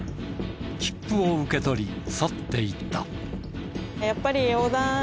切符を受け取り去っていった。